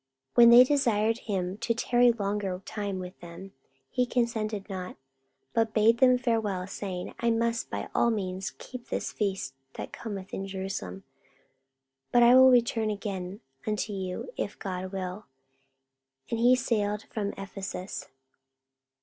44:018:020 When they desired him to tarry longer time with them, he consented not; 44:018:021 But bade them farewell, saying, I must by all means keep this feast that cometh in Jerusalem: but I will return again unto you, if God will. And he sailed from Ephesus.